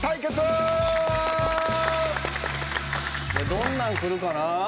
どんなんくるかな？